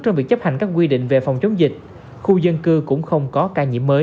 trong việc chấp hành các quy định về phòng chống dịch khu dân cư cũng không có ca nhiễm mới